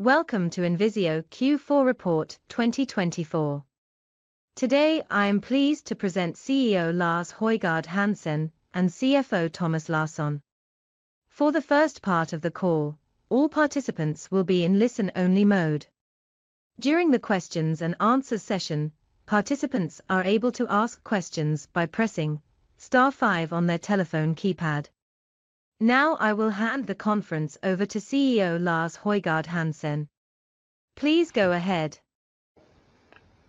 Welcome to INVISIO Q4 Report 2024. Today I am pleased to present CEO Lars Højgård Hansen and CFO Thomas Larsson. For the first part of the call, all participants will be in listen-only mode. During the questions and answers session, participants are able to ask questions by pressing star five on their telephone keypad. Now I will hand the conference over to CEO Lars Højgård Hansen. Please go ahead.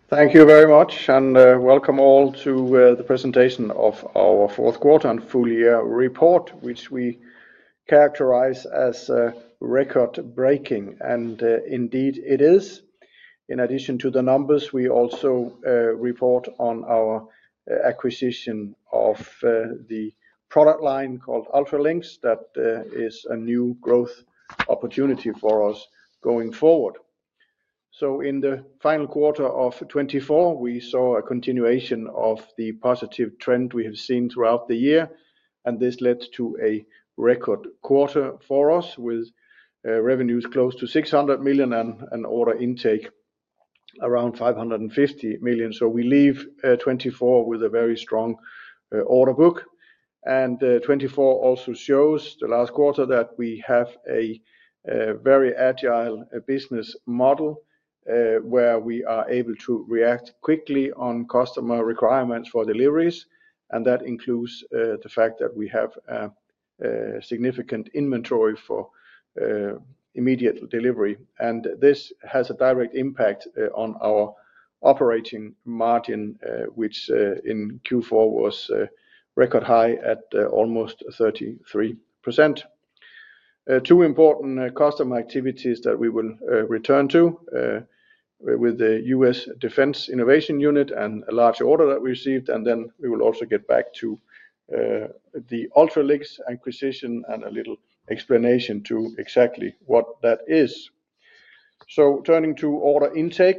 Thank you very much, and welcome all to the presentation of our fourth quarter and full year report, which we characterize as record-breaking. And indeed it is. In addition to the numbers, we also report on our acquisition of the product line called UltraLYNX that is a new growth opportunity for us going forward. So in the final quarter of 2024, we saw a continuation of the positive trend we have seen throughout the year, and this led to a record quarter for us with revenues close to 600 million and an order intake around 550 million. So we leave 2024 with a very strong order book. And 2024 also shows the last quarter that we have a very agile business model where we are able to react quickly on customer requirements for deliveries, and that includes the fact that we have significant inventory for immediate delivery. And this has a direct impact on our operating margin, which in Q4 was record high at almost 33%. Two important customer activities that we will return to with the U.S. Defense Innovation Unit and a large order that we received, and then we will also get back to the UltraLYNX acquisition and a little explanation to exactly what that is. So turning to order intake,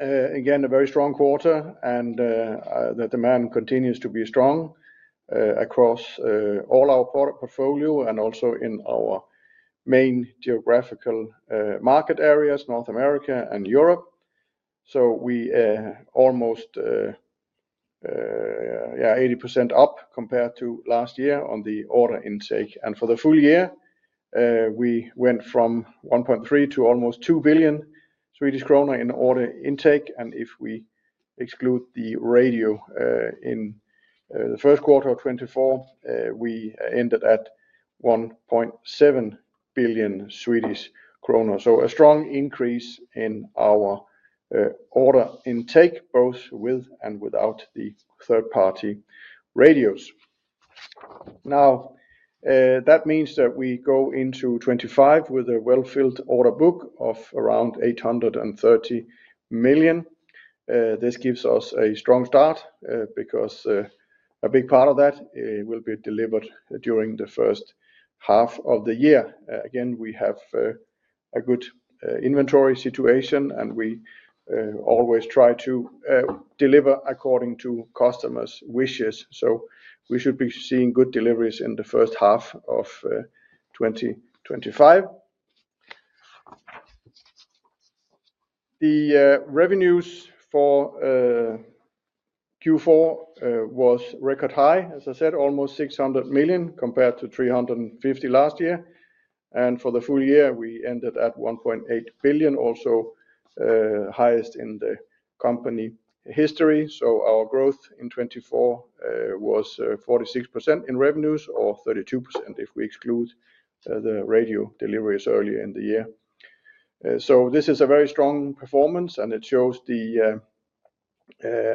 again a very strong quarter, and the demand continues to be strong across all our product portfolio and also in our main geographical market areas, North America and Europe. So we are almost 80% up compared to last year on the order intake. And for the full year, we went from 1.3 billion to almost 2 billion Swedish kronor in order intake. And if we exclude the radio in the first quarter of 2024, we ended at 1.7 billion Swedish kronor. A strong increase in our order intake, both with and without the third-party radios. Now, that means that we go into 2025 with a well-filled order book of around 830 million. This gives us a strong start because a big part of that will be delivered during the first half of the year. Again, we have a good inventory situation, and we always try to deliver according to customers' wishes. So we should be seeing good deliveries in the first half of 2025. The revenues for Q4 were record high, as I said, almost 600 million compared to 350 million last year. And for the full year, we ended at 1.8 billion, also highest in the company history. So our growth in 2024 was 46% in revenues or 32% if we exclude the radio deliveries earlier in the year. So this is a very strong performance, and it shows the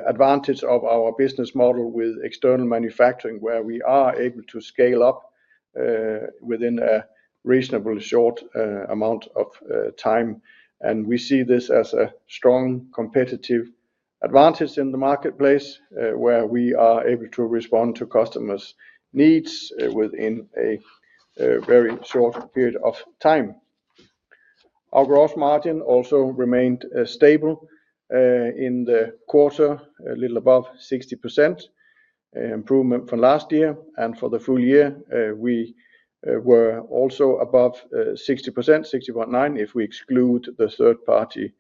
advantage of our business model with external manufacturing, where we are able to scale up within a reasonably short amount of time, and we see this as a strong competitive advantage in the marketplace, where we are able to respond to customers' needs within a very short period of time. Our gross margin also remained stable in the quarter, a little above 60% improvement from last year, and for the full year, we were also above 60%, 61.9% if we exclude the third-party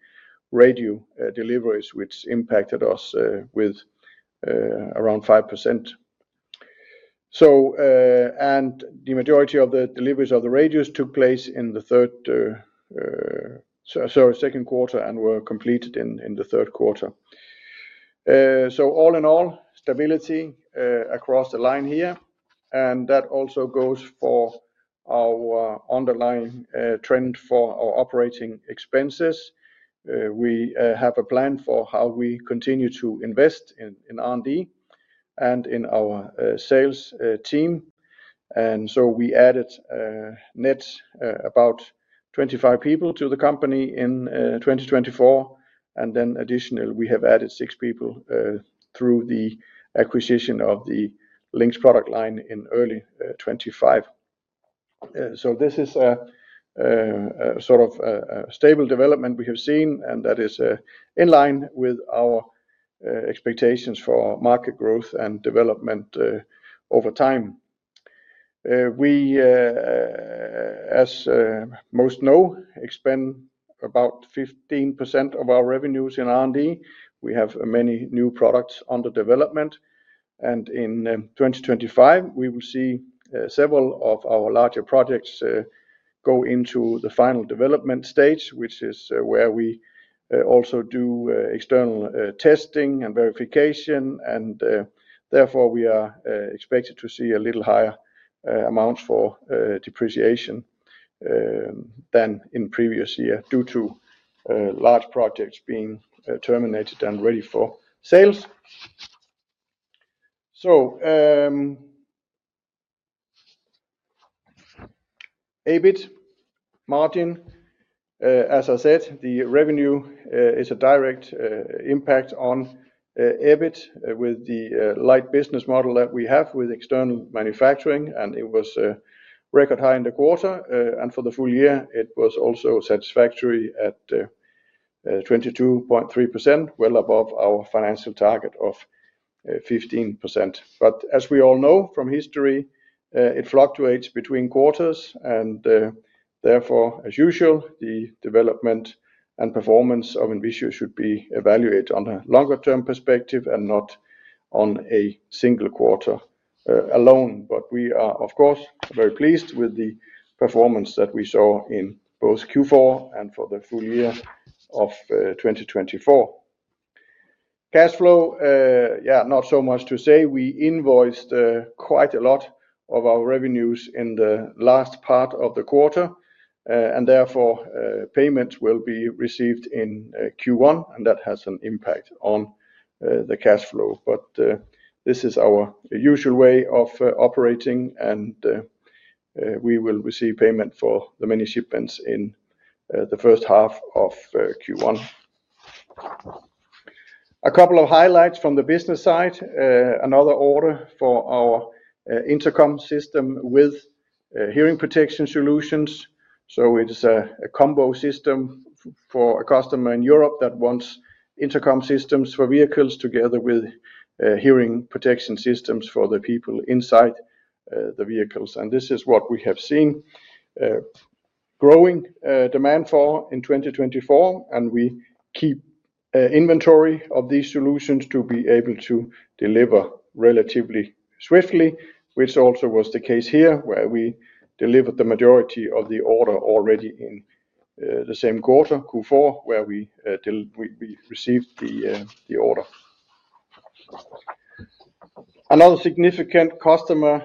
radio deliveries, which impacted us with around 5%. And the majority of the deliveries of the radios took place in the second quarter and were completed in the third quarter, so all in all, stability across the line here, and that also goes for our underlying trend for our operating expenses. We have a plan for how we continue to invest in R&D and in our sales team. And so we added net about 25 people to the company in 2024. And then additionally, we have added six people through the acquisition of the INVISIO Link product line in early 2025. So this is a sort of stable development we have seen, and that is in line with our expectations for market growth and development over time. We, as most know, expend about 15% of our revenues in R&D. We have many new products under development. And in 2025, we will see several of our larger projects go into the final development stage, which is where we also do external testing and verification. And therefore, we are expected to see a little higher amounts for depreciation than in previous year due to large projects being terminated and ready for sales. EBIT margin, as I said, the revenue is a direct impact on EBIT with the light business model that we have with external manufacturing, and it was record high in the quarter. And for the full year, it was also satisfactory at 22.3%, well above our financial target of 15%. But as we all know from history, it fluctuates between quarters. And therefore, as usual, the development and performance of INVISIO should be evaluated on a longer-term perspective and not on a single quarter alone. But we are, of course, very pleased with the performance that we saw in both Q4 and for the full year of 2024. Cash flow, yeah, not so much to say. We invoiced quite a lot of our revenues in the last part of the quarter, and therefore payments will be received in Q1, and that has an impact on the cash flow. But this is our usual way of operating, and we will receive payment for the many shipments in the first half of Q1. A couple of highlights from the business side. Another order for our intercom system with hearing protection solutions. So it is a combo system for a customer in Europe that wants intercom systems for vehicles together with hearing protection systems for the people inside the vehicles. And this is what we have seen: growing demand for in 2024. And we keep inventory of these solutions to be able to deliver relatively swiftly, which also was the case here, where we delivered the majority of the order already in the same quarter, Q4, where we received the order. Another significant customer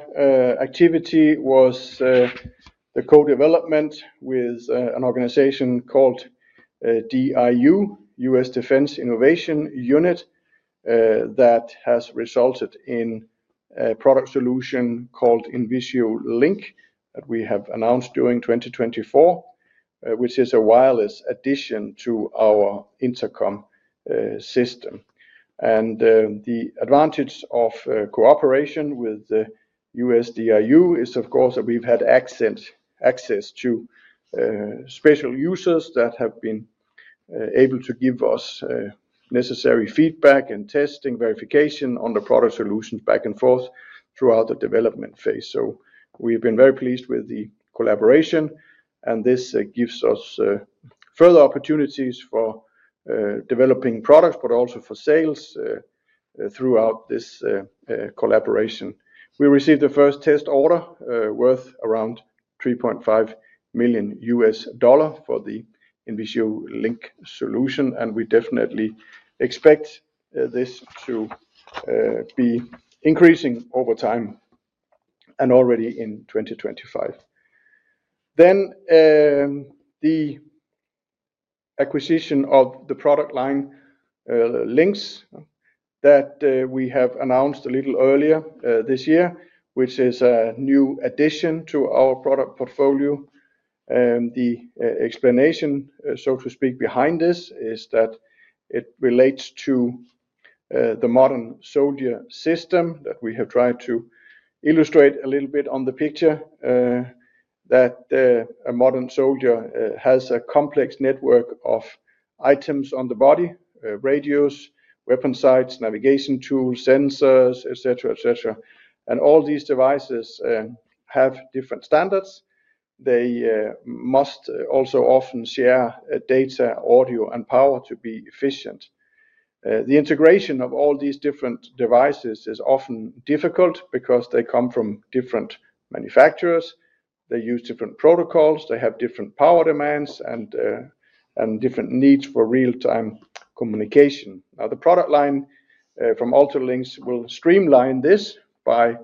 activity was the co-development with an organization called DIU, US Defense Innovation Unit, that has resulted in a product solution called INVISIO Link that we have announced during 2024, which is a wireless addition to our intercom system, and the advantage of cooperation with US DIU is, of course, that we've had access to special users that have been able to give us necessary feedback and testing, verification on the product solutions back and forth throughout the development phase, so we've been very pleased with the collaboration, and this gives us further opportunities for developing products, but also for sales throughout this collaboration. We received the first test order worth around $3.5 million for the INVISIO Link solution, and we definitely expect this to be increasing over time and already in 2025. Then the acquisition of the product line Lynx that we have announced a little earlier this year, which is a new addition to our product portfolio. The explanation, so to speak, behind this is that it relates to the modern soldier system that we have tried to illustrate a little bit on the picture, that a modern soldier has a complex network of items on the body: radios, weapon sights, navigation tools, sensors, etc., etc. And all these devices have different standards. They must also often share data, audio, and power to be efficient. The integration of all these different devices is often difficult because they come from different manufacturers. They use different protocols. They have different power demands and different needs for real-time communication. Now, the product line from UltraLYNX will streamline this by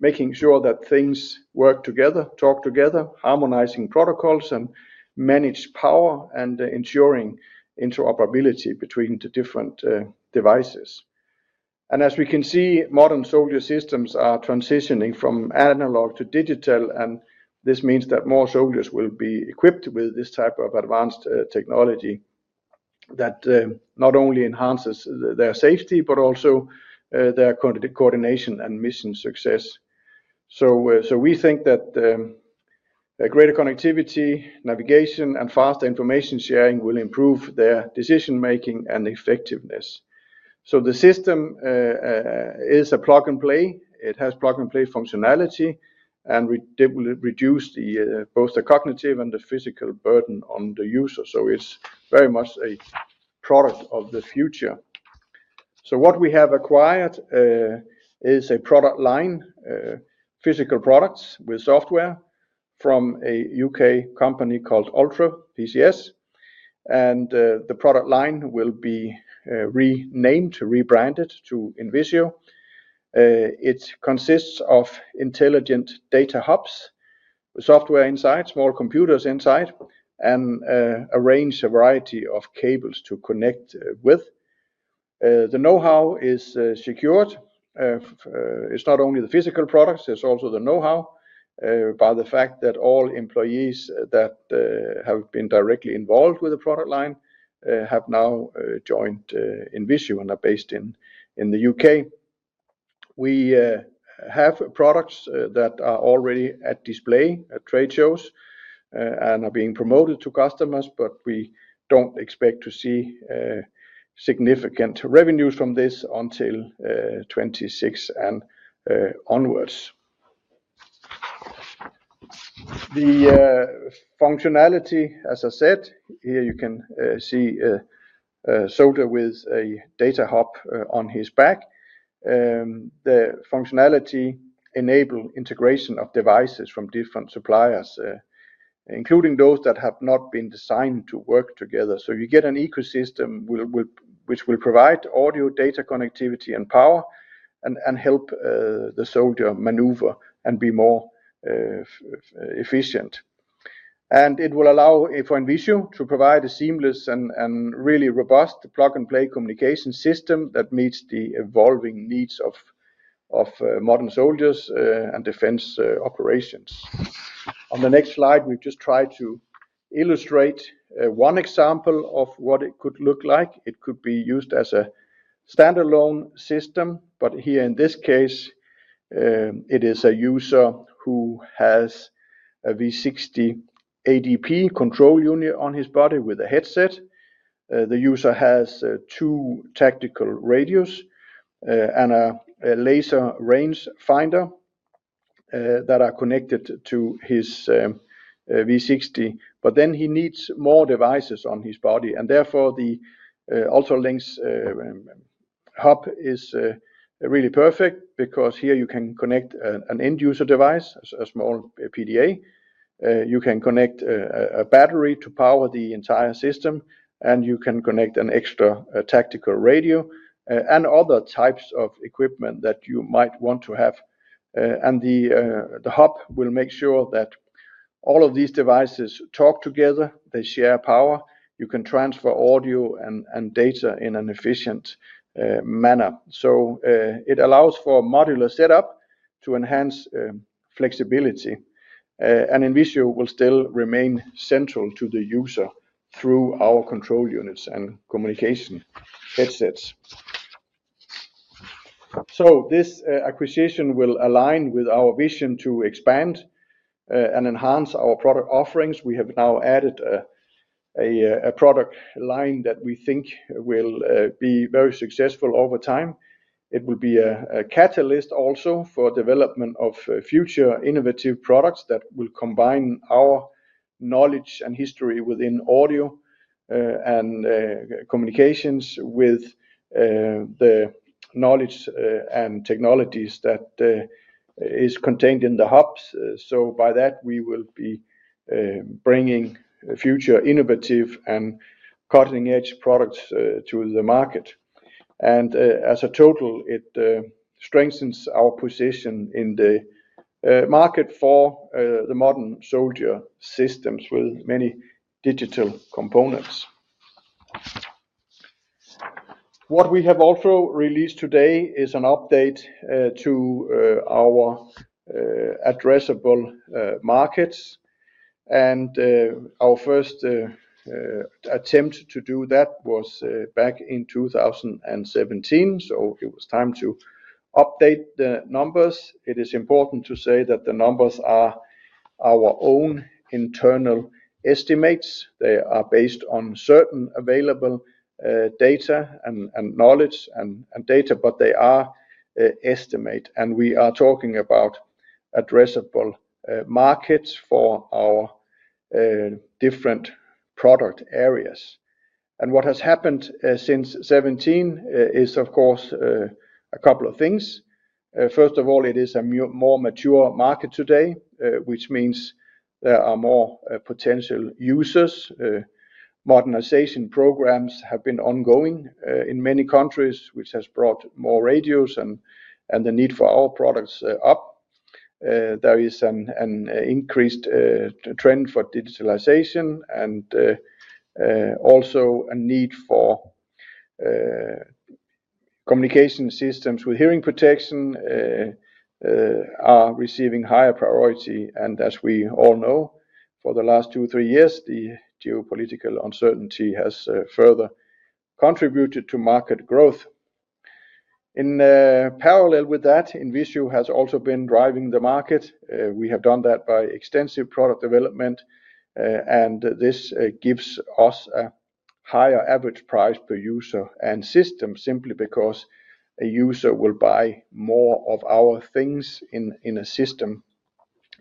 making sure that things work together, talk together, harmonizing protocols and manage power, and ensuring interoperability between the different devices. And as we can see, modern soldier systems are transitioning from analog to digital, and this means that more soldiers will be equipped with this type of advanced technology that not only enhances their safety, but also their coordination and mission success. So we think that greater connectivity, navigation, and faster information sharing will improve their decision-making and effectiveness. So the system is a plug-and-play. It has plug-and-play functionality, and it will reduce both the cognitive and the physical burden on the user. So it's very much a product of the future. So what we have acquired is a product line, physical products with software from a U.K. company called Ultra PCS. The product line will be renamed, rebranded to INVISIO. It consists of intelligent data hubs with software inside, small computers inside, and arranged a variety of cables to connect with. The know-how is secured. It's not only the physical products. It's also the know-how by the fact that all employees that have been directly involved with the product line have now joined INVISIO and are based in the U.K. We have products that are already at display at trade shows and are being promoted to customers, but we don't expect to see significant revenues from this until 2026 and onwards. The functionality, as I said, here you can see a soldier with a data hub on his back. The functionality enables integration of devices from different suppliers, including those that have not been designed to work together. You get an ecosystem which will provide audio, data connectivity, and power and help the soldier maneuver and be more efficient. It will allow for INVISIO to provide a seamless and really robust plug-and-play communication system that meets the evolving needs of modern soldiers and defense operations. On the next slide, we've just tried to illustrate one example of what it could look like. It could be used as a standalone system, but here in this case, it is a user who has a V60 ADP control unit on his body with a headset. The user has two tactical radios and a laser range finder that are connected to his V60, but then he needs more devices on his body. Therefore, the UltraLYNX hub is really perfect because here you can connect an end-user device, a small PDA. You can connect a battery to power the entire system, and you can connect an extra tactical radio and other types of equipment that you might want to have, and the hub will make sure that all of these devices talk together. They share power. You can transfer audio and data in an efficient manner, so it allows for a modular setup to enhance flexibility, and INVISIO will still remain central to the user through our control units and communication headsets, so this acquisition will align with our vision to expand and enhance our product offerings. We have now added a product line that we think will be very successful over time. It will be a catalyst also for development of future innovative products that will combine our knowledge and history within audio and communications with the knowledge and technologies that are contained in the hubs. So by that, we will be bringing future innovative and cutting-edge products to the market. And as a total, it strengthens our position in the market for the modern soldier systems with many digital components. What we have also released today is an update to our addressable markets. And our first attempt to do that was back in 2017. So it was time to update the numbers. It is important to say that the numbers are our own internal estimates. They are based on certain available data and knowledge, but they are estimates. And we are talking about addressable markets for our different product areas. And what has happened since 2017 is, of course, a couple of things. First of all, it is a more mature market today, which means there are more potential users. Modernization programs have been ongoing in many countries, which has brought more radios and the need for our products up. There is an increased trend for digitalization and also a need for communication systems with hearing protection are receiving higher priority. And as we all know, for the last two, three years, the geopolitical uncertainty has further contributed to market growth. In parallel with that, INVISIO has also been driving the market. We have done that by extensive product development, and this gives us a higher average price per user and system simply because a user will buy more of our things in a system.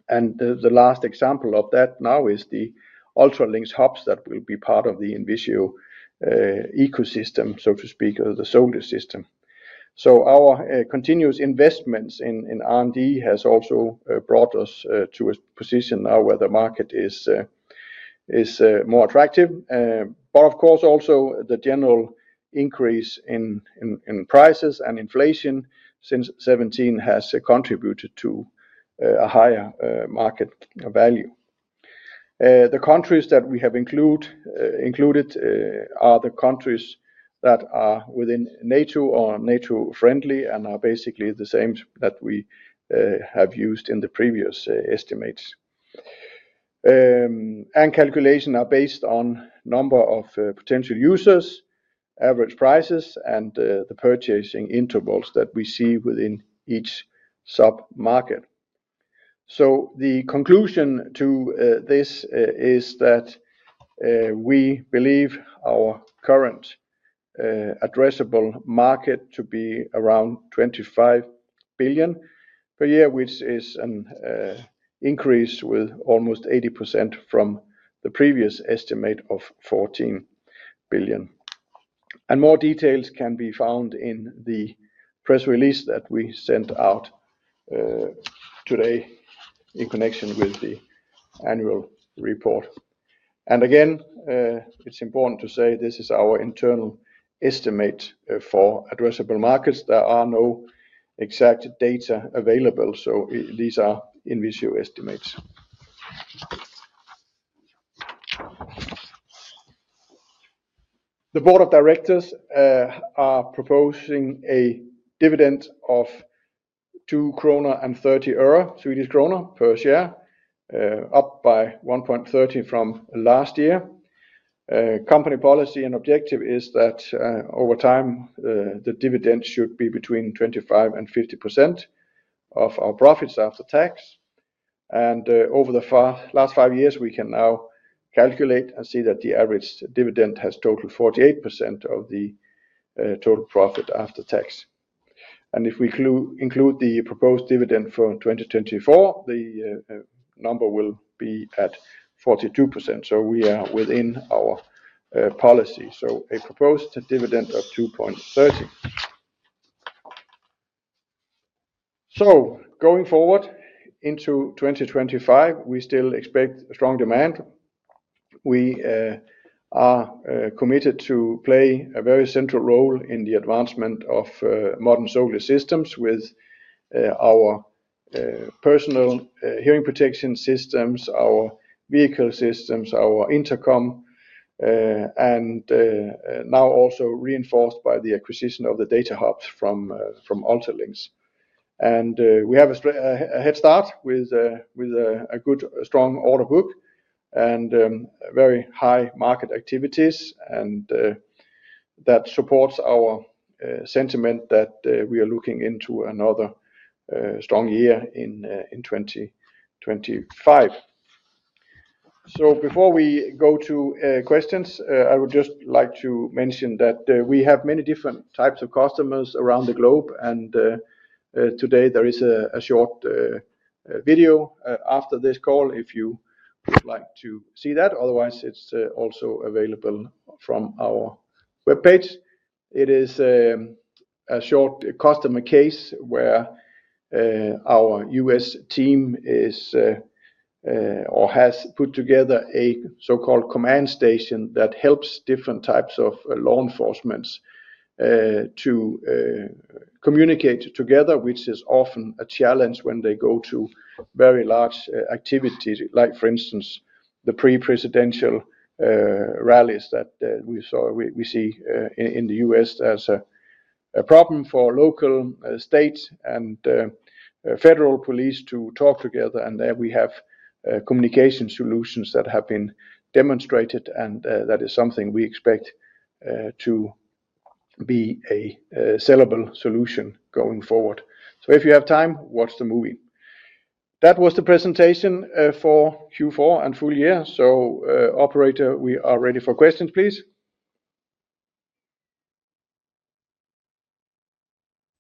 And the last example of that now is the INVISIO Link hubs that will be part of the INVISIO ecosystem, so to speak, or the soldier system. So our continuous investments in R&D have also brought us to a position now where the market is more attractive. But of course, also the general increase in prices and inflation since 2017 has contributed to a higher market value. The countries that we have included are the countries that are within NATO or NATO-friendly and are basically the same that we have used in the previous estimates. And calculations are based on the number of potential users, average prices, and the purchasing intervals that we see within each sub-market. So the conclusion to this is that we believe our current addressable market to be around $25 billion per year, which is an increase with almost 80% from the previous estimate of $14 billion. And more details can be found in the press release that we sent out today in connection with the annual report. Again, it's important to say this is our internal estimate for addressable markets. There are no exact data available, so these are INVISIO estimates. The board of directors are proposing a dividend of SEK 2.30 per share, up by 1.30 from last year. Company policy and objective is that over time, the dividend should be between 25% and 50% of our profits after tax. Over the last five years, we can now calculate and see that the average dividend has totaled 48% of the total profit after tax. If we include the proposed dividend for 2024, the number will be at 42%. We are within our policy. A proposed dividend of 2.30. Going forward into 2025, we still expect strong demand. We are committed to play a very central role in the advancement of modern soldier systems with our personal hearing protection systems, our vehicle systems, our intercom, and now also reinforced by the acquisition of the data hubs from UltraLYNX, and we have a head start with a good, strong order book and very high market activities that supports our sentiment that we are looking into another strong year in 2025, so before we go to questions, I would just like to mention that we have many different types of customers around the globe, and today, there is a short video after this call if you would like to see that. Otherwise, it's also available from our web page. It is a short customer case where our U.S. team has put together a so-called command station that helps different types of law enforcement to communicate together, which is often a challenge when they go to very large activities, like for instance, the pre-presidential rallies that we see in the U.S. as a problem for local state and federal police to talk together, and there we have communication solutions that have been demonstrated, and that is something we expect to be a sellable solution going forward, so if you have time, watch the movie. That was the presentation for Q4 and full year, so operator, we are ready for questions, please.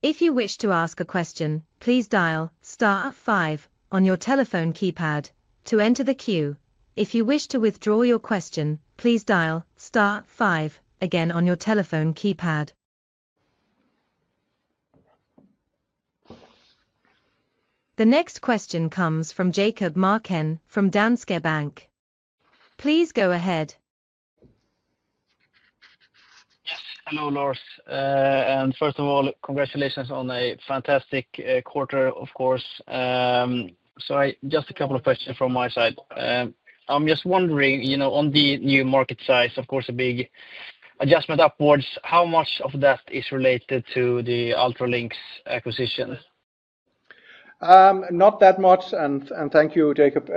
If you wish to ask a question, please dial star five on your telephone keypad to enter the queue. If you wish to withdraw your question, please dial star five again on your telephone keypad. The next question comes from Jakob Marken from Danske Bank. Please go ahead. Yes. Hello, Lars. And first of all, congratulations on a fantastic quarter, of course. So just a couple of questions from my side. I'm just wondering, on the new market size, of course, a big adjustment upwards. How much of that is related to the UltraLYNX's acquisition? Not that much. And thank you, Jacob.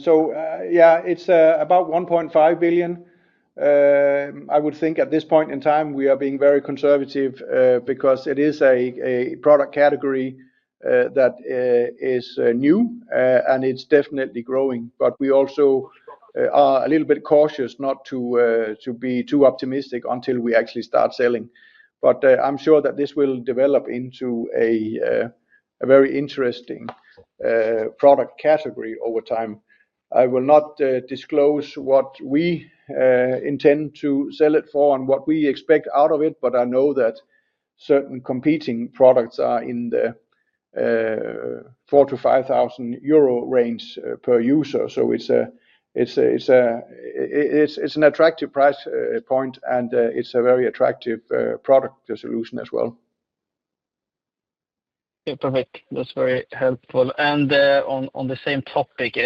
So yeah, it's about 1.5 billion. I would think at this point in time, we are being very conservative because it is a product category that is new, and it's definitely growing. But we also are a little bit cautious not to be too optimistic until we actually start selling. But I'm sure that this will develop into a very interesting product category over time. I will not disclose what we intend to sell it for and what we expect out of it, but I know that certain competing products are in the 4,000-5,000 euro range per user. So it's an attractive price point, and it's a very attractive product solution as well. Yeah, perfect. That's very helpful. On the same topic,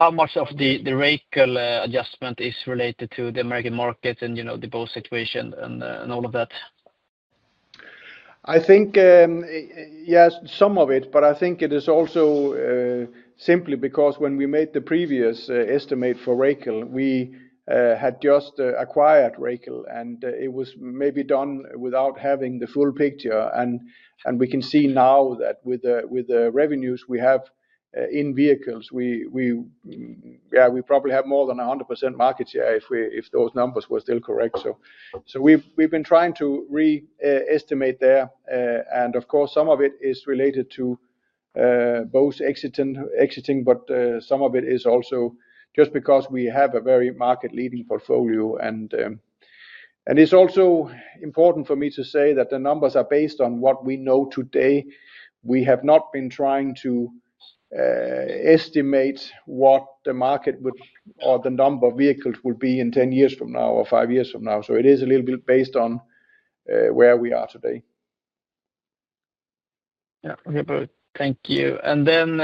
how much of the Racal adjustment is related to the American market and the COVID situation and all of that? I think, yes, some of it, but I think it is also simply because when we made the previous estimate for Racal, we had just acquired Racal, and it was maybe done without having the full picture. We can see now that with the revenues we have in vehicles, yeah, we probably have more than 100% market share if those numbers were still correct. So we've been trying to re-estimate there. And of course, some of it is related to both exiting, but some of it is also just because we have a very market-leading portfolio. And it's also important for me to say that the numbers are based on what we know today. We have not been trying to estimate what the market would or the number of vehicles will be in 10 years from now or five years from now. So it is a little bit based on where we are today. Yeah. Okay, perfect. Thank you. And then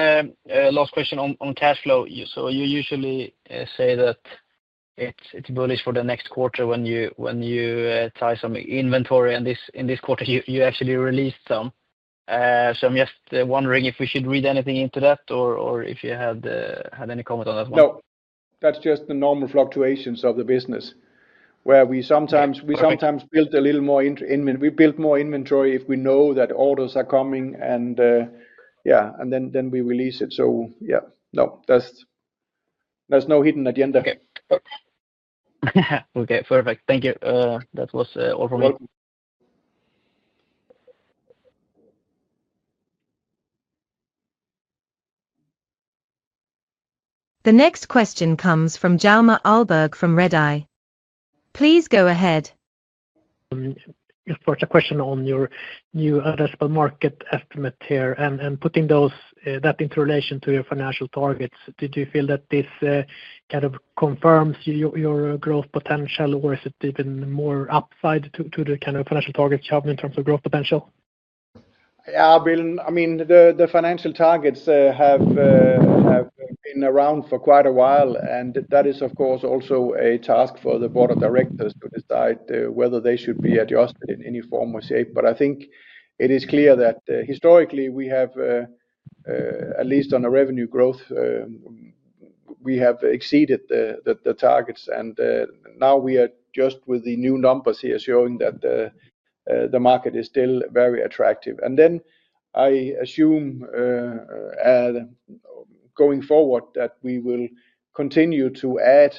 last question on cash flow. So you usually say that it's bullish for the next quarter when you tie some inventory. And in this quarter, you actually released some. So I'm just wondering if we should read anything into that or if you had any comment on that one. No, that's just the normal fluctuations of the business where we sometimes build a little more inventory. We build more inventory if we know that orders are coming. And yeah, and then we release it. So yeah, no, there's no hidden agenda. Okay. Perfect. Thank you. That was all from me. The next question comes from Hjalmar Ahlberg from Redeye. Please go ahead. Just a question on your new addressable market estimate here and putting that in relation to your financial targets. Did you feel that this kind of confirms your growth potential, or is it even more upside to the kind of financial targets you have in terms of growth potential? I mean, the financial targets have been around for quite a while, and that is, of course, also a task for the board of directors to decide whether they should be adjusted in any form or shape. But I think it is clear that historically, we have, at least on the revenue growth, we have exceeded the targets. And now we are just with the new numbers here showing that the market is still very attractive. And then I assume going forward that we will continue to add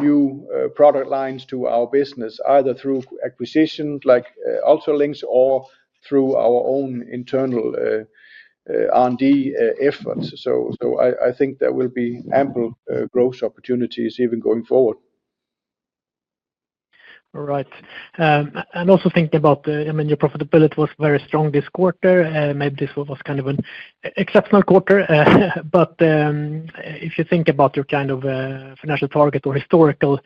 new product lines to our business either through acquisitions like UltraLYNX or through our own internal R&D efforts. So I think there will be ample growth opportunities even going forward. All right. And also thinking about, I mean, your profitability was very strong this quarter. Maybe this was kind of an exceptional quarter. But if you think about your kind of financial target or historical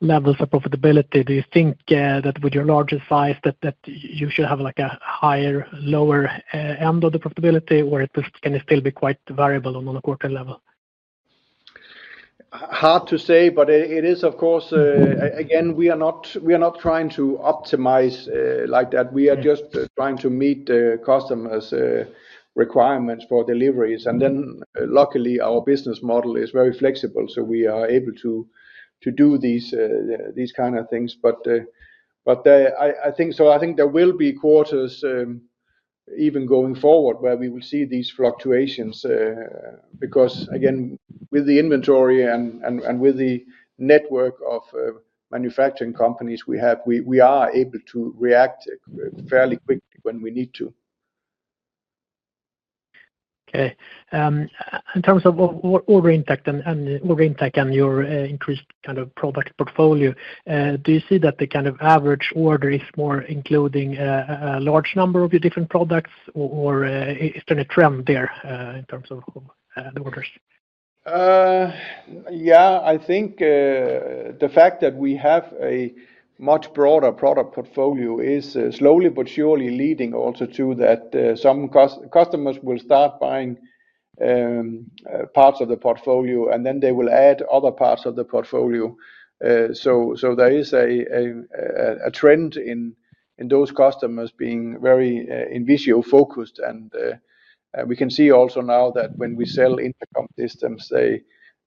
levels of profitability, do you think that with your larger size that you should have a higher, lower end of the profitability, or can it still be quite variable on a quarter level? Hard to say, but it is, of course. Again, we are not trying to optimize like that. We are just trying to meet the customer's requirements for deliveries. And then luckily, our business model is very flexible, so we are able to do these kinds of things. But I think there will be quarters even going forward where we will see these fluctuations because, again, with the inventory and with the network of manufacturing companies we have, we are able to react fairly quickly when we need to. Okay. In terms of order impact and your increased kind of product portfolio, do you see that the kind of average order is more including a large number of your different products, or is there a trend there in terms of the orders? Yeah. I think the fact that we have a much broader product portfolio is slowly but surely leading also to that some customers will start buying parts of the portfolio, and then they will add other parts of the portfolio. So there is a trend in those customers being very INVISIO-focused. And we can see also now that when we sell intercom systems,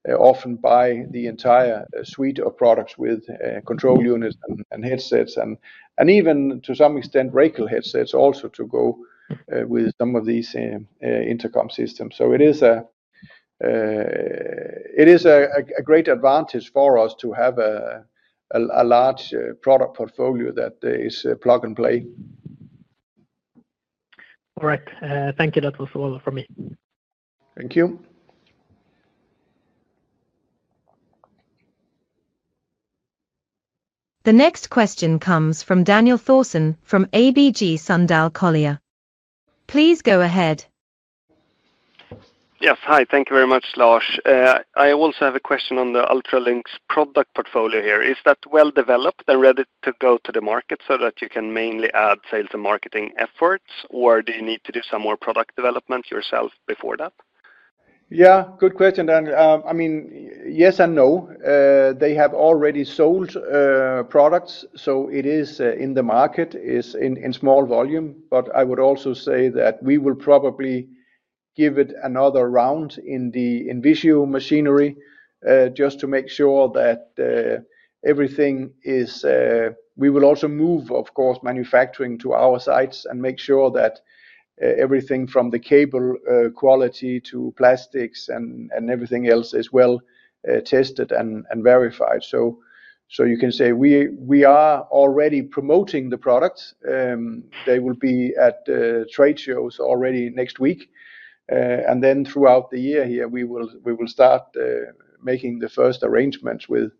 they often buy the entire suite of products with control units and headsets and even to some extent Racal headsets also to go with some of these intercom systems. So it is a great advantage for us to have a large product portfolio that is plug and play. All right. Thank you. That was all from me. Thank you. The next question comes from Daniel Thorsson from ABG Sundal Collier. Please go ahead. Yes. Hi. Thank you very much, Lars. I also have a question on the UltraLYNX's product portfolio here. Is that well developed and ready to go to the market so that you can mainly add sales and marketing efforts, or do you need to do some more product development yourself before that? Yeah. Good question, Daniel. I mean, yes and no. They have already sold products, so it is in the market in small volume. But I would also say that we will probably give it another round in the INVISIO machinery just to make sure that everything is. We will also move, of course, manufacturing to our sites and make sure that everything from the cable quality to plastics and everything else is well tested and verified. So you can say we are already promoting the products. They will be at trade shows already next week. And then throughout the year here, we will start making the first arrangements with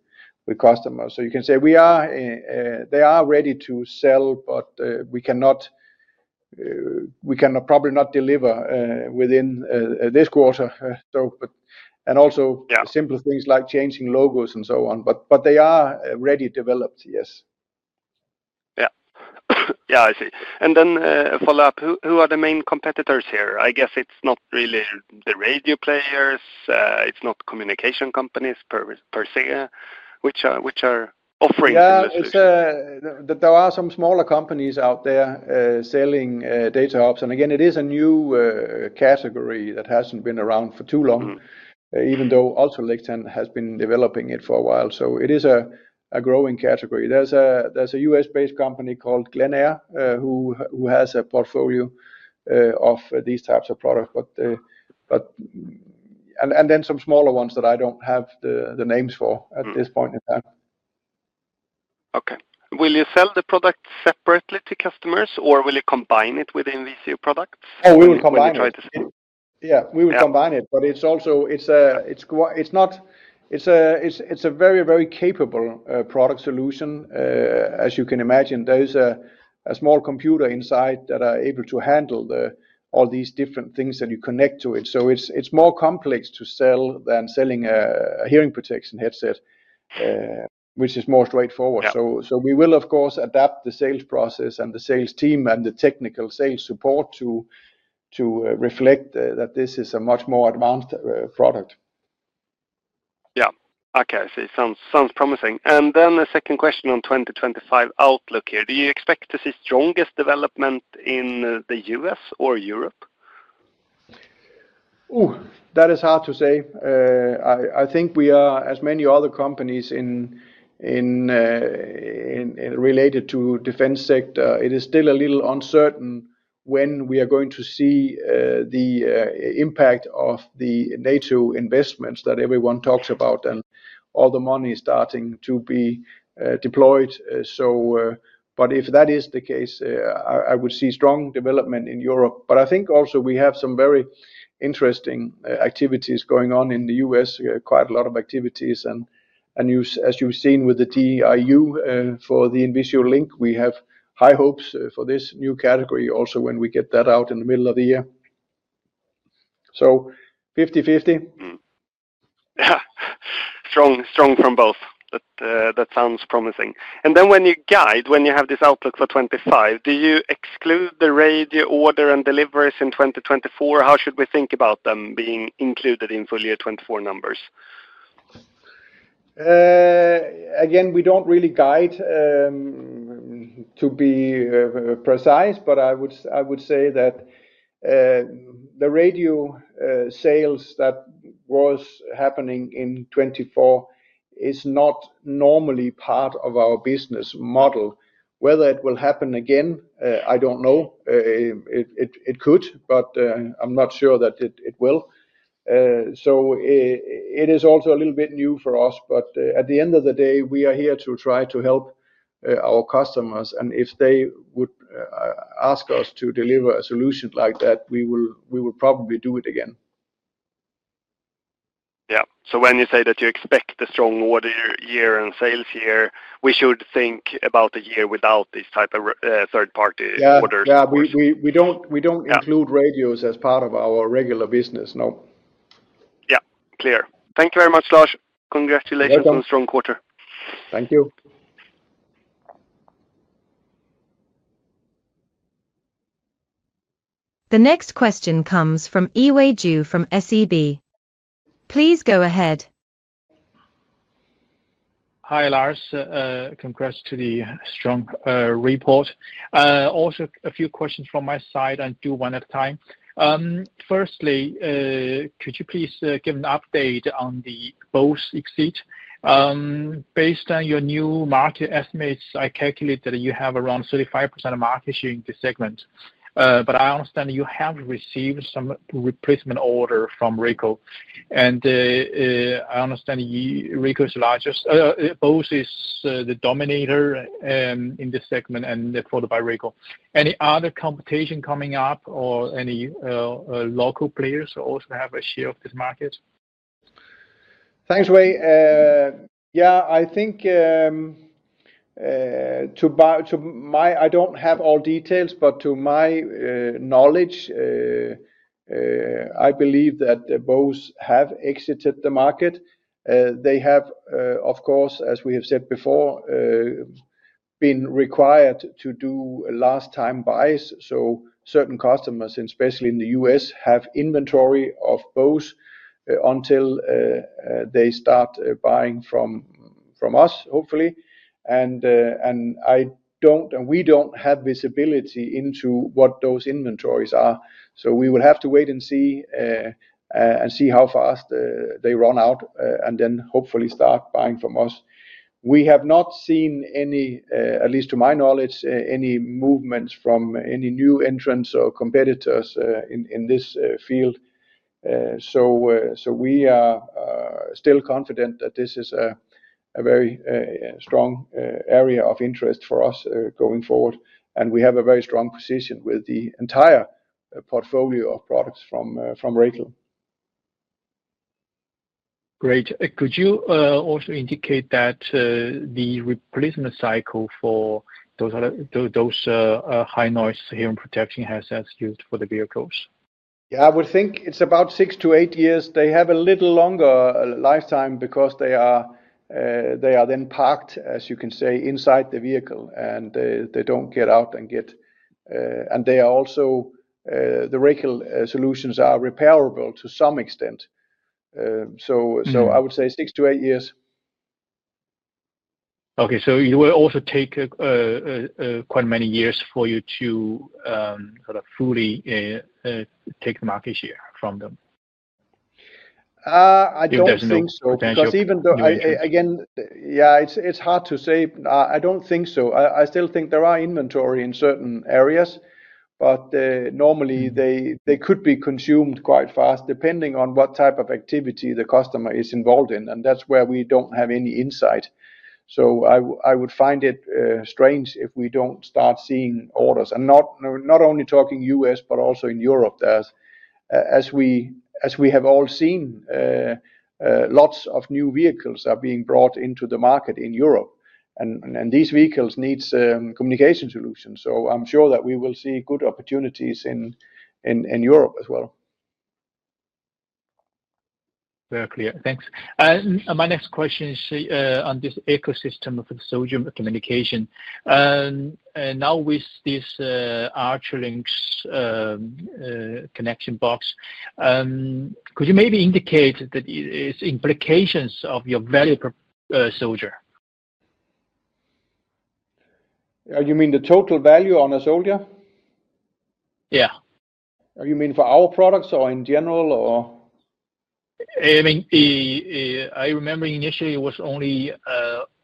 customers. So you can say they are ready to sell, but we can probably not deliver within this quarter. And also simple things like changing logos and so on. But they are ready developed, yes. Yeah. Yeah, I see. And then follow up, who are the main competitors here? I guess it's not really the radio players. It's not communication companies per se, which are offering services. There are some smaller companies out there selling data hubs. And again, it is a new category that hasn't been around for too long, even though UltraLYNX has been developing it for a while. So it is a growing category. There's a U.S.-based company called Glenair who has a portfolio of these types of products. Then some smaller ones that I don't have the names for at this point in time. Okay. Will you sell the product separately to customers, or will you combine it with INVISIO products? Oh, we will combine it. Yeah, we will combine it. But it's not. It's a very, very capable product solution, as you can imagine. There is a small computer inside that is able to handle all these different things that you connect to it. So it's more complex to sell than selling a hearing protection headset, which is more straightforward. So we will, of course, adapt the sales process and the sales team and the technical sales support to reflect that this is a much more advanced product. Yeah. Okay. I see. Sounds promising. Then the second question on 2025 outlook here. Do you expect to see strongest development in the U.S. or Europe? Ooh, that is hard to say. I think we are, as many other companies related to the defense sector, it is still a little uncertain when we are going to see the impact of the NATO investments that everyone talks about and all the money starting to be deployed. But if that is the case, I would see strong development in Europe. But I think also we have some very interesting activities going on in the U.S., quite a lot of activities. And as you've seen with the DIU for the INVISIO Link, we have high hopes for this new category also when we get that out in the middle of the year. So 50/50. Strong from both. That sounds promising. And then when you have this outlook for 2025, do you exclude the radio, order, and deliveries in 2024? How should we think about them being included in full year 2024 numbers? Again, we don't really guide to be precise, but I would say that the radio sales that were happening in 2024 are not normally part of our business model. Whether it will happen again, I don't know. It could, but I'm not sure that it will. So it is also a little bit new for us. But at the end of the day, we are here to try to help our customers. And if they would ask us to deliver a solution like that, we will probably do it again. Yeah. So when you say that you expect a strong order year and sales year, we should think about a year without these type of third-party orders. Yeah. Yeah. We don't include radios as part of our regular business. No. Yeah. Clear. Thank you very much, Lars. Congratulations on a strong quarter. Thank you. The next question comes from Yiwei Zhou from SEB. Please go ahead. Hi, Lars. Congrats to the strong report. Also, a few questions from my side. I'll do one at a time. Firstly, could you please give an update on the Bose exit? Based on your new market estimates, I calculate that you have around 35% of market share in this segment. But I understand you have received some replacement orders from Racal. And I understand Racal is largest. Bose is the dominator in this segment and followed by Racal. Any other competition coming up or any local players who also have a share of this market? Thanks. Yeah. I think I don't have all details, but to my knowledge, I believe that Bose has exited the market. They have, of course, as we have said before, been required to do last-time buys. So certain customers, especially in the U.S., have inventory of Bose until they start buying from us, hopefully. We don't have visibility into what those inventories are. So we will have to wait and see how fast they run out and then hopefully start buying from us. We have not seen any, at least to my knowledge, any movements from any new entrants or competitors in this field. So we are still confident that this is a very strong area of interest for us going forward. We have a very strong position with the entire portfolio of products from Racal. Great. Could you also indicate that the replacement cycle for those high-noise hearing protection headsets used for the vehicles? Yeah. I would think it's about six to eight years. They have a little longer lifetime because they are then parked, as you can say, inside the vehicle, and they don't get out and get, and they are also the Racal solutions are repairable to some extent, so I would say six to eight years. Okay, so it will also take quite many years for you to sort of fully take the market share from them? I don't think so. Because even though, again, yeah, it's hard to say. I don't think so. I still think there are inventory in certain areas, but normally they could be consumed quite fast depending on what type of activity the customer is involved in, and that's where we don't have any insight, so I would find it strange if we don't start seeing orders, and not only talking U.S., but also in Europe. As we have all seen, lots of new vehicles are being brought into the market in Europe. These vehicles need communication solutions. So I'm sure that we will see good opportunities in Europe as well. Very clear. Thanks. My next question is on this ecosystem for the soldier communication. Now with this UltraLYNX connection box, could you maybe indicate the implications of your value per soldier? You mean the total value on a soldier? Yeah. You mean for our products or in general or? I mean, I remember initially it was only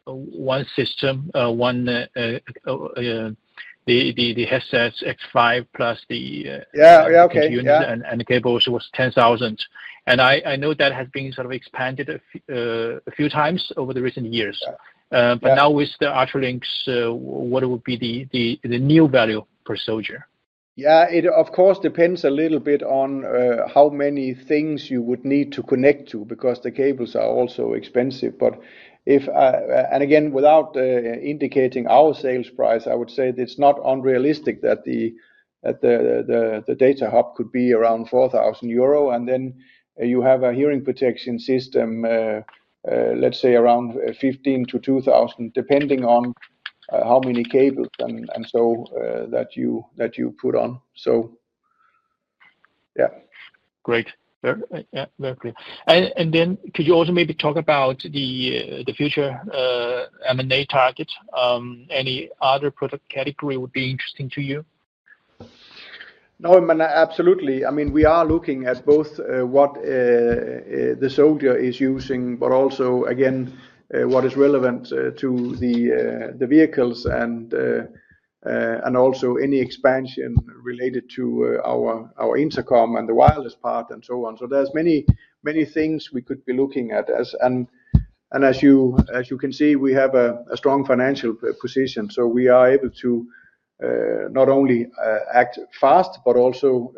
one system, the headsets X5 plus the unit and the cables was 10,000. And I know that has been sort of expanded a few times over the recent years. But now with the UltraLYNX, what would be the new value per soldier? Yeah. It, of course, depends a little bit on how many things you would need to connect to because the cables are also expensive. And again, without indicating our sales price, I would say it's not unrealistic that the data hub could be around 4,000 euro. And then you have a hearing protection system, let's say around 1,500-2,000 depending on how many cables and so that you put on. So yeah. Great. Yeah. Very clear. And then could you also maybe talk about the future M&A targets? Any other product category would be interesting to you? No, absolutely. I mean, we are looking at both what the soldier is using, but also, again, what is relevant to the vehicles and also any expansion related to our intercom and the wireless part and so on. So there are many things we could be looking at. As you can see, we have a strong financial position. So we are able to not only act fast, but also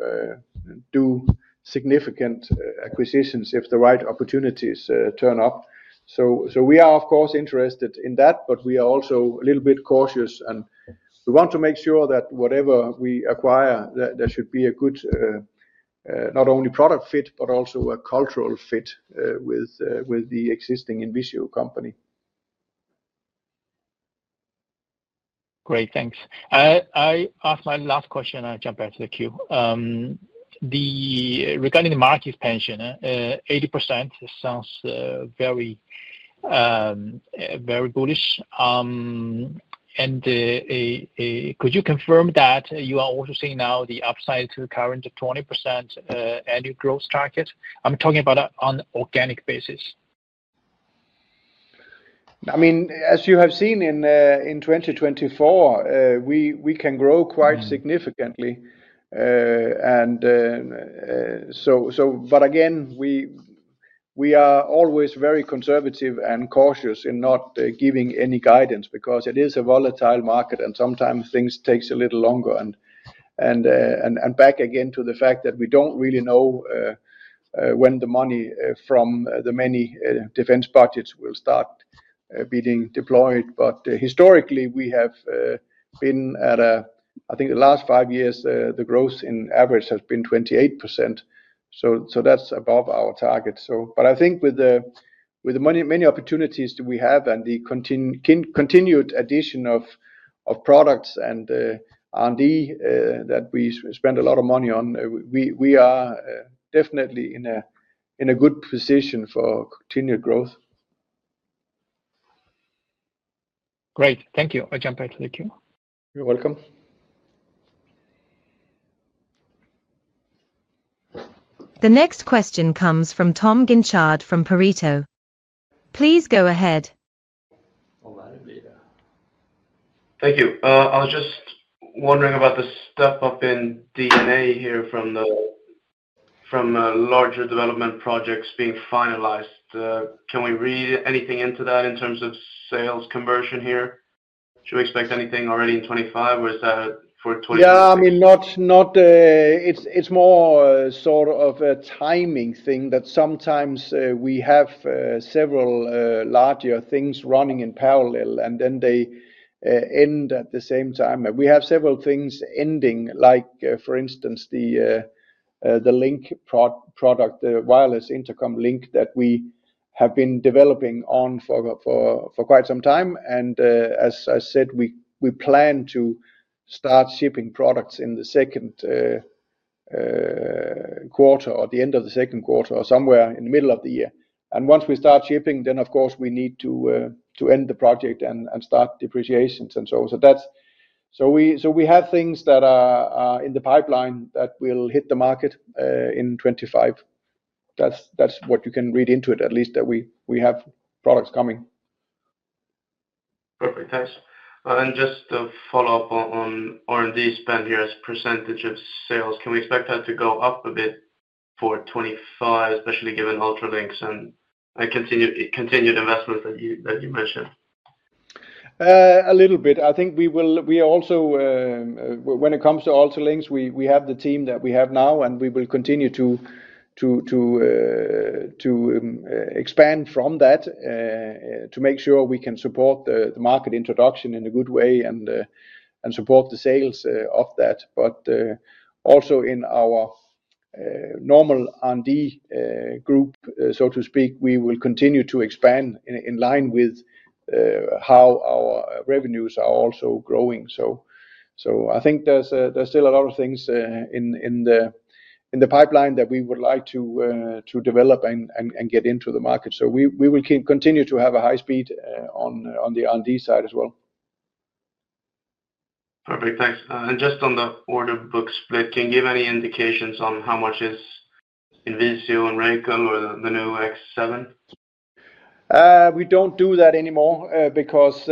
do significant acquisitions if the right opportunities turn up. So we are, of course, interested in that, but we are also a little bit cautious. We want to make sure that whatever we acquire, there should be a good not only product fit, but also a cultural fit with the existing INVISIO company. Great. Thanks. I asked my last question, and I jumped back to the queue. Regarding the market expansion, 80% sounds very bullish. Could you confirm that you are also seeing now the upside to current 20% annual growth target? I'm talking about on an organic basis. I mean, as you have seen in 2024, we can grow quite significantly. And so, but again, we are always very conservative and cautious in not giving any guidance because it is a volatile market, and sometimes things take a little longer. And back again to the fact that we don't really know when the money from the many defense budgets will start being deployed. But historically, we have been at a, I think the last five years, the growth in average has been 28%. So that's above our target. But I think with the many opportunities that we have and the continued addition of products and R&D that we spend a lot of money on, we are definitely in a good position for continued growth. Great. Thank you. I jumped back to the queue. You're welcome. The next question comes from Tom Guinchard from Pareto. Please go ahead. Thank you. I was just wondering about the step-up in R&D here from larger development projects being finalized. Can we read anything into that in terms of sales conversion here? Should we expect anything already in 2025, or is that for 2026? Yeah. I mean, it's more sort of a timing thing that sometimes we have several larger things running in parallel, and then they end at the same time. We have several things ending, like for instance, the Link product, the wireless intercom Link that we have been developing on for quite some time, and as I said, we plan to start shipping products in the second quarter or the end of the second quarter or somewhere in the middle of the year. And once we start shipping, then, of course, we need to end the project and start depreciations. We have things that are in the pipeline that will hit the market in 2025. That's what you can read into it, at least that we have products coming. Perfect. Thanks. Just to follow up on R&D spend here, as percentage of sales, can we expect that to go up a bit for 2025, especially given UltraLYNX and continued investments that you mentioned? A little bit. I think we are also, when it comes to UltraLYNX, we have the team that we have now, and we will continue to expand from that to make sure we can support the market introduction in a good way and support the sales of that. But also in our normal R&D group, so to speak, we will continue to expand in line with how our revenues are also growing. So I think there's still a lot of things in the pipeline that we would like to develop and get into the market. So we will continue to have a high speed on the R&D side as well. Perfect. Thanks. And just on the order book split, can you give any indications on how much is INVISIO and Racal or the new X7? We don't do that anymore because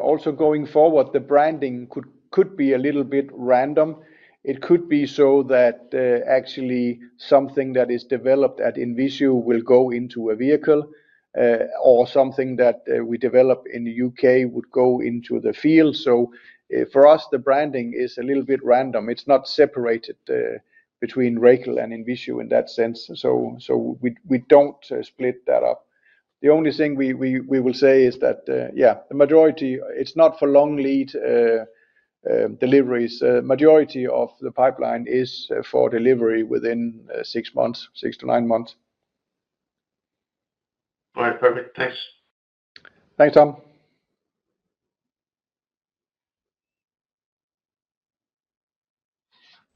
also going forward, the branding could be a little bit random. It could be so that actually something that is developed at INVISIO will go into a vehicle or something that we develop in the U.K. would go into the field. So for us, the branding is a little bit random. It's not separated between Racal and INVISIO in that sense. So we don't split that up. The only thing we will say is that, yeah, the majority, it's not for long lead deliveries. The majority of the pipeline is for delivery within six months, six to nine months. All right. Perfect. Thanks. Thanks, Tom.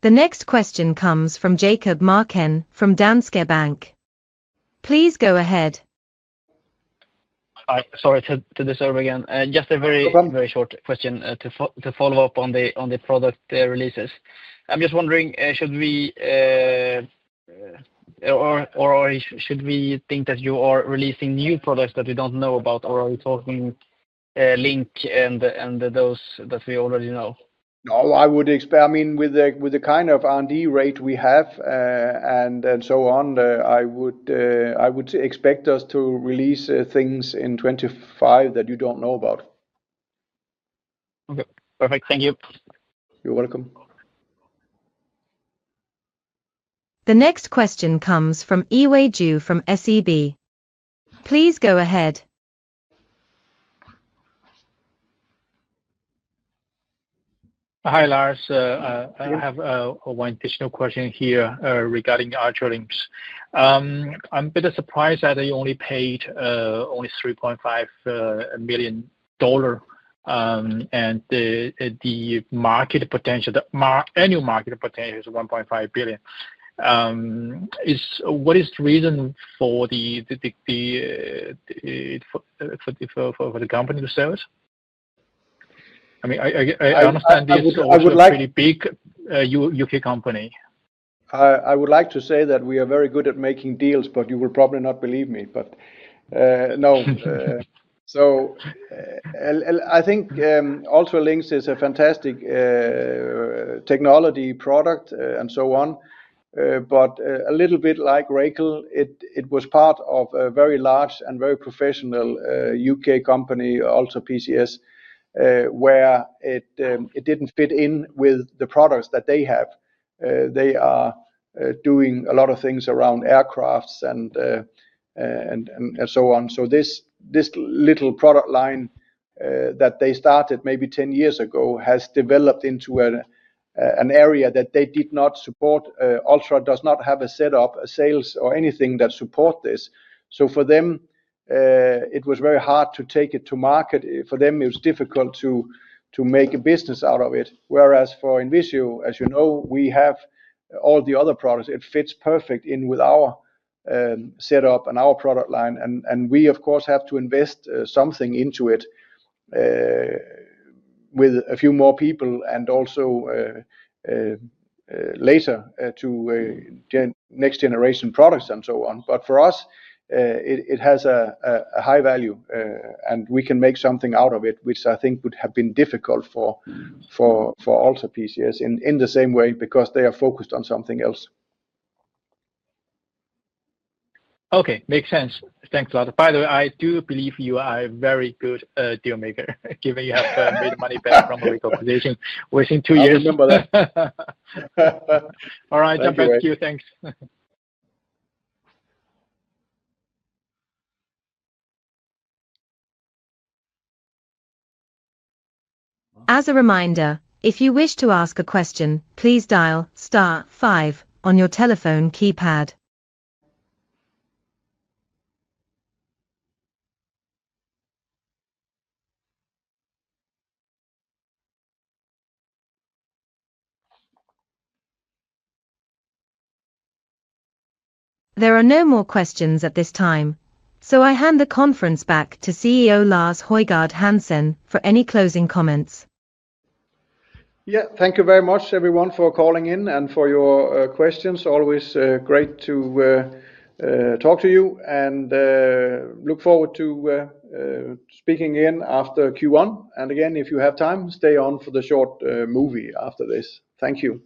The next question comes from Jakob Marken from Danske Bank. Please go ahead. Sorry to disturb again. Just a very short question to follow up on the product releases. I'm just wondering, should we think that you are releasing new products that we don't know about, or are we talking link and those that we already know? No, I would expect, I mean, with the kind of R&D rate we have and so on, I would expect us to release things in 2025 that you don't know about. Okay. Perfect. Thank you. You're welcome. The next question comes from Yiwei Zhou from SEB. Please go ahead. Hi, Lars. I have one additional question here regarding UltraLYNX. I'm a bit surprised that they only paid $3.5 million, and the annual market potential is $1.5 billion. What is the reason for the company to sell it? I mean, I understand this is a really big U.K. company. I would like to say that we are very good at making deals, but you will probably not believe me. But no. So I think UltraLYNX is a fantastic technology product and so on. But a little bit like Racal, it was part of a very large and very professional U.K. company, Ultra Electronics, where it didn't fit in with the products that they have. They are doing a lot of things around aircraft and so on. So this little product line that they started maybe 10 years ago has developed into an area that they did not support. Ultra does not have a setup, a sales, or anything that supports this. So for them, it was very hard to take it to market. For them, it was difficult to make a business out of it. Whereas for INVISIO, as you know, we have all the other products. It fits perfect in with our setup and our product line. And we, of course, have to invest something into it with a few more people and also later to next-generation products and so on. But for us, it has a high value, and we can make something out of it, which I think would have been difficult for Ultra PCS in the same way because they are focused on something else. Okay. Makes sense. Thanks, Lars. By the way, I do believe you are a very good deal maker given you have made money back from the Racal position. We're seeing two years. I remember that. All right. Thanks. As a reminder, if you wish to ask a question, please dial star five on your telephone keypad. There are no more questions at this time, so I hand the conference back to CEO Lars Højgård Hansen for any closing comments. Yeah. Thank you very much, everyone, for calling in and for your questions. Always great to talk to you and look forward to speaking again after Q1. And again, if you have time, stay on for the short movie after this. Thank you.